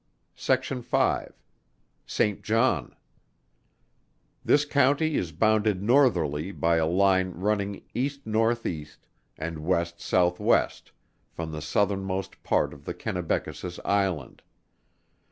SECTION V. SAINT JOHN. This County is bounded northerly by a line running East North East, and West South West, from the southernmost point of the Kennebeckasis Island.